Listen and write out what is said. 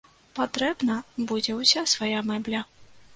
Патрэбна будзе ўся свая мэбля.